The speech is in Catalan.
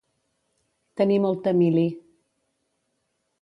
Tenir molta «mili».